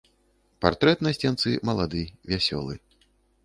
Партрэт на сценцы малады, вясёлы.